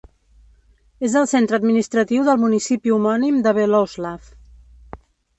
És el centre administratiu del municipi homònim de Beloslav.